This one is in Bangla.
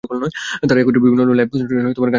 তারা একত্রে বিভিন্ন লাইভ কনসার্টে গান গেয়েছেন।